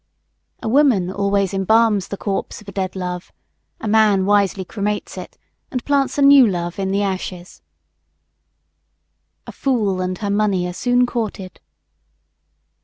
A woman always embalms the corpse of a dead love; a man wisely cremates it, and plants a new love in the ashes. A fool and her money are soon courted.